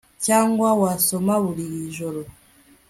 cyangwa wasoma buri joro